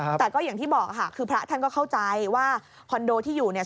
แต่ก็อย่างที่บอกค่ะคือพระท่านก็เข้าใจว่าคอนโดที่อยู่เนี่ย